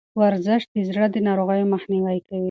ورزش د زړه د ناروغیو مخنیوی کوي.